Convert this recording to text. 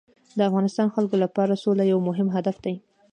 د افغانستان خلکو لپاره سوله یو مهم هدف دی.